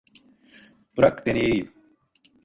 Bırak deneyeyim.